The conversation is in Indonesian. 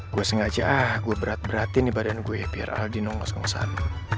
gue sengaja ah gue berat beratin nih badan gue biar aldi nunggu sengsan